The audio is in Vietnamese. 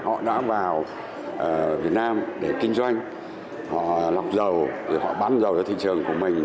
họ đã vào việt nam để kinh doanh họ lọc dầu họ bán dầu ở thị trường của mình